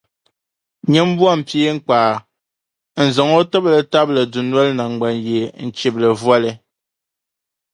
nyin’ bomi peeŋkpaa n-zaŋ o tibili tabili dunoli naŋgbanyee n-chibi li voli.